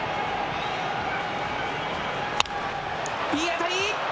いい当たり！